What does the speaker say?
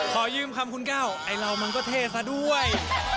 ขอยืมคำคุณก้าวไอ้เรามันก็เท่ซะด้วย